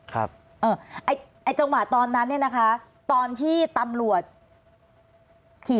ไอ้จังหวะตอนนั้นเนี่ยนะคะตอนที่ตำรวจขี่